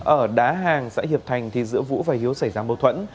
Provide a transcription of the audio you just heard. ở đá hàng xã hiệp thành thì giữa vũ và hiếu xảy ra mâu thuẫn